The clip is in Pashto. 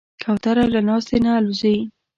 کوتره له ناستې نه الوزي.